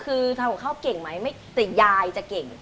คือทำกับข้าวเก่งไหมแต่ยายจะเก่ง